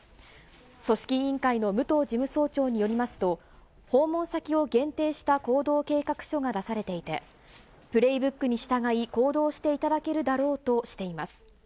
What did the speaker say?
組織委員会の武藤事務総長によりますと、訪問先を限定した行動計画書が出されていて、プレイブックに従い、行動していただけるだろうとしています。